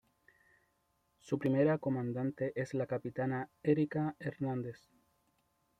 Su primera comandante es la capitana Erika Hernández.